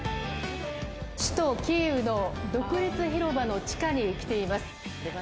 首都キーウの独立広場の地下に来ています。